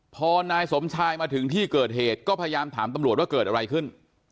พอนายสมชายมาถึงที่เกิดเหตุก็พยายามถามตำรวจว่าเกิดอะไรขึ้น